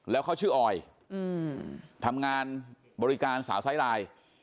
แล้วเขาชื่อออยทำงานบริการสาวไซลาย